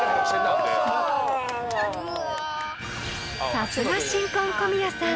［さすが新婚小宮さん］